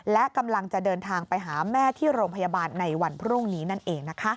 และกำลังจะเดินทางไปหาแม่ที่โรงพยาบาลในวันพรุ่งนี้นั่นเองนะคะ